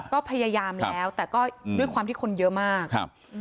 ก็พยายามแล้วแต่ก็ด้วยความที่คนเยอะมากครับ